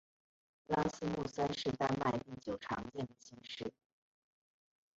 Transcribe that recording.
拉斯穆森是丹麦第九常见的姓氏。